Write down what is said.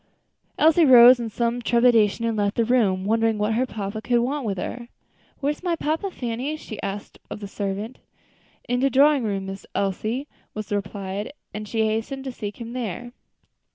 Elsie rose in some trepidation and left the room, wondering what her papa could want with her. "Where is papa, Fanny?" she asked of the servant. "In de drawin' room, Miss Elsie," was the reply; and she hastened to seek him there.